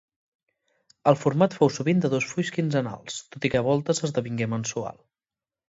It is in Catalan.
El format fou sovint de dos fulls quinzenals, tot i que a voltes esdevingué mensual.